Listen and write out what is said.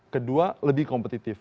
kedua lebih kompetitif